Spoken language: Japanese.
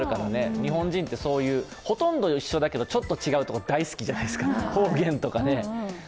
日本人って、ほとんど一緒だけど、ちょっと違うのが大好きじゃないですか、方言とかね。